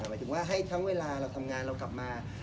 หมายถึงว่าให้ทั้งเวลาเราทำงานเรากลับมา